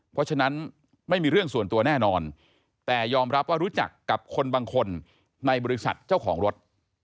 เพราะฉะนั้นไม่มีเรื่องส่วนตัวแน่นอนแต่ยอมรับว่ารู้จักกับคนบางคนในบริษัทเจ้าของรถ